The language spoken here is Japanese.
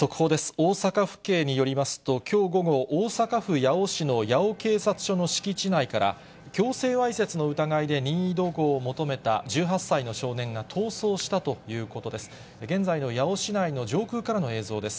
大阪府警によりますと、きょう午後、大阪府八尾市の八尾警察署の敷地内から、強制わいせつの疑いで任意同行を求めた１８歳の少年が逃走したということです。